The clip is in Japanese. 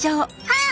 はい。